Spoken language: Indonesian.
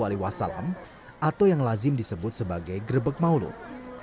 atau yang lazim disebut sebagai grebek mauluk